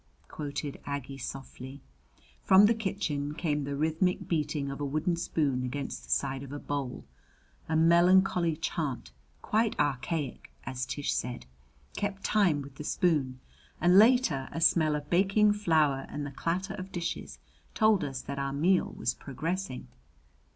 quoted Aggie softly. From the kitchen came the rhythmic beating of a wooden spoon against the side of a bowl; a melancholy chant quite archaic, as Tish said kept time with the spoon, and later a smell of baking flour and the clatter of dishes told us that our meal was progressing.